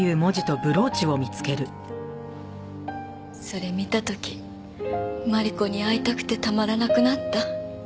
それ見た時マリコに会いたくてたまらなくなった。